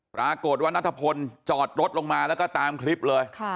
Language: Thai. ปรากฏว่านัทพลจอดรถลงมาแล้วก็ตามคลิปเลย